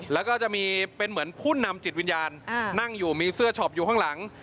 แล้วก็จะมีเป็นเหมือนผู้นำจิตวิญญาณนั่งอยู่มีเสื้อช็อปอยู่ข้างหลัง